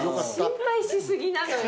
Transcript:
心配し過ぎなのよ。